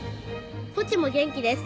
「ポチも元気です」